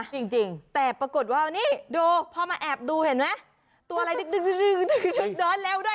จริงจริงแต่ปรากฏว่านี่ดูพอมาแอบดูเห็นไหมตัวอะไรด้านเร็วด้วย